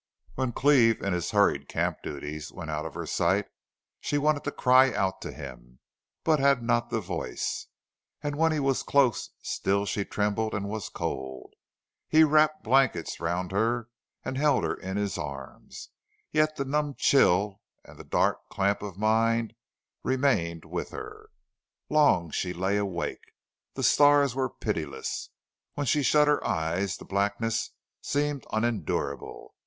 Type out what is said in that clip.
When Cleve, in his hurried camp duties, went out of her sight, she wanted to cry out to him, but had not the voice; and when he was close still she trembled and was cold. He wrapped blankets round her and held her in his arms, yet the numb chill and the dark clamp of mind remained with her. Long she lay awake. The stars were pitiless. When she shut her eyes the blackness seemed unendurable.